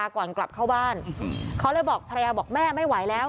ก่อนกลับเข้าบ้านเขาเลยบอกภรรยาบอกแม่ไม่ไหวแล้ว